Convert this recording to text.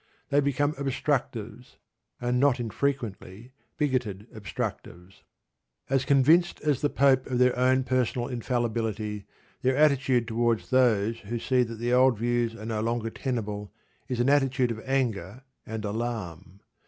They become obstructives, and not infrequently bigoted obstructives. As convinced as the Pope of their own personal infallibility, their attitude towards those who see that the old views are no longer tenable is an attitude of anger and alarm.